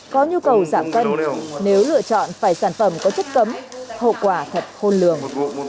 có nhu cầu giảm cân nếu lựa chọn phải sản phẩm có chất cấm hậu quả thật khôn lường